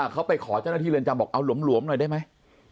เขาไปขอเจ้าหน้าที่เรือนจำบอกเอาหลวมหน่อยได้ไหม